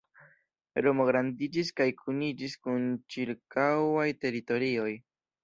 Romo grandiĝis kaj kuniĝis kun ĉirkaŭaj teritorioj.